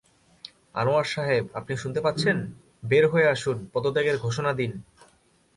আনোয়ার সাহেব আপনি শুনতে পাচ্ছেন, বের হয়ে আসুন, পদত্যাগের ঘোষণা দিন।